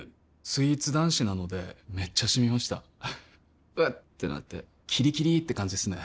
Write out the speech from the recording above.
スイーツ男子なのでめっちゃシミました「うっ」ってなってキリキリって感じですね